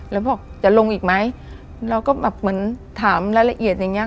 แล้วบอกจะลงอีกไหมเราก็แบบเหมือนถามรายละเอียดอย่างเงี้